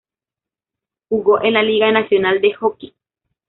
Jugó en la Liga Nacional de Hockey.